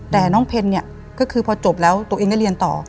แต่น้องเพนเนี่ยก็คือพอจบแล้วตัวเองได้เรียนต่อ